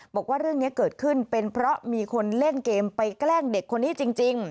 บอกว่าเรื่องนี้เกิดขึ้นเป็นเพราะมีคนเล่นเกมไปแกล้งเด็กคนนี้จริง